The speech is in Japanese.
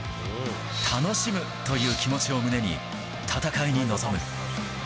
楽しむという気持ちを胸に、戦いに臨む。